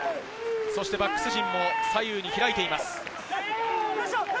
バックス陣、左右に開いています。